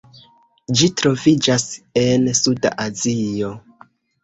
Ĝi troviĝas en suda Azio.